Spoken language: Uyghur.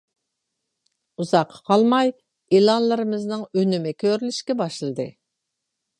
ئۇزاققا قالماي ئېلانلىرىمىزنىڭ ئۈنۈمى كۆرۈلۈشكە باشلىدى.